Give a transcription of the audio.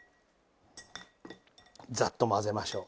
ざっと混ぜましょう。